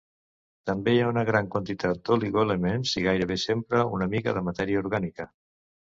També hi ha una gran quantitat d'oligoelements i gairebé sempre una mica de matèria orgànica.